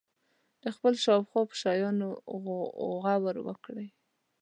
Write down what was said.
د خپل شاوخوا په شیانو غور وکړي.